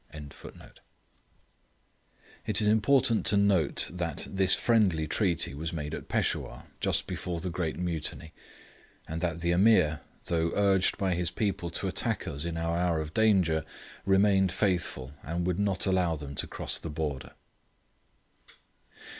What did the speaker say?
] It is important to note that this friendly treaty was made at Peshawur, just before the great Mutiny, and that the Ameer, though urged by his people to attack us in our hour of danger, remained faithful, and would not allow them to cross the border.